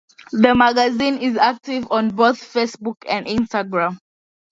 The magazine is active on both Facebook and Instagram.